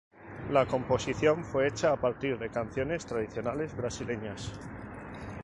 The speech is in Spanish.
La composición fue hecha a partir de canciones tradicionales brasileñas.